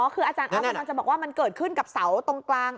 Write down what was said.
คืออาจารย์ออฟกำลังจะบอกว่ามันเกิดขึ้นกับเสาตรงกลาง